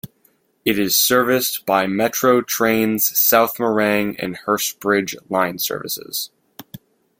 It is serviced by Metro Trains' South Morang and Hurstbridge line services.